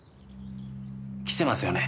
来てますよね？